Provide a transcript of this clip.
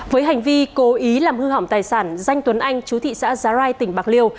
với hành vi cố ý làm hư hỏng tài sản danh tuấn anh chú thị xã giá rai tỉnh bạc liêu